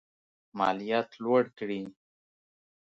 مالیات لوړ کړي.